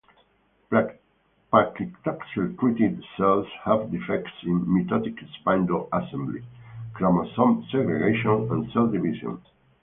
Paclitaxel-treated cells have defects in mitotic spindle assembly, chromosome segregation, and cell division.